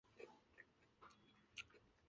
松巴库人口变化图示